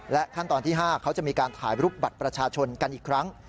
ขั้นตอนที่๕เขาจะมีการถ่ายรูปบัตรประชาชนกันอีกครั้ง